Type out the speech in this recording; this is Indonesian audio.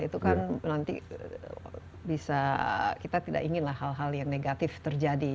itu kan nanti bisa kita tidak inginlah hal hal yang negatif terjadi